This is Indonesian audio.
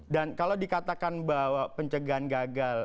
dan kalau dikatakan bahwa pencegahan gagal